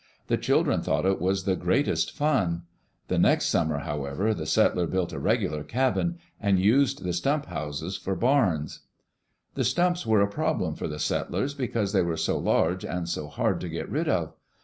The children thought it was the greatest fun. The next summer, how ever, the settler built a regular cabin, and used the stump houses for barns. The stumps were a problem for the settlers, because they were so large and so hard to get rid of.